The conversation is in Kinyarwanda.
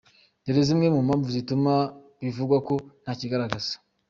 Dore zimwe mu mpamvu zituma bivugwa ko ntakigaragaza:.